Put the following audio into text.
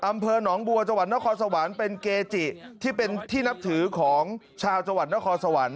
อำเภอหนองบัวจังหวัดนครสวรรค์เป็นเกจิที่เป็นที่นับถือของชาวจังหวัดนครสวรรค์